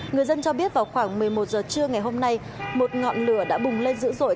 người dân cho biết vào khoảng một mươi một giờ trưa ngày hôm nay một ngọn lửa đã bùng lên dữ dội